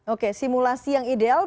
oke simulasi yang ideal